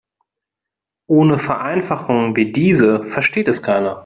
Ohne Vereinfachungen wie diese versteht es keiner.